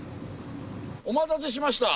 お待たせしました。